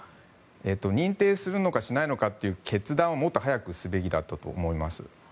認定するのかしないのかという決断をもっと早くすべきだったと思います。